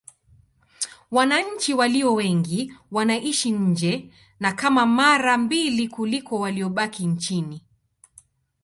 Wananchi walio wengi wanaishi nje: ni kama mara mbili kuliko waliobaki nchini.